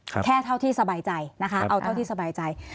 แค่เท่าที่สบายใจนะคะเอาเท่าที่สบายใจ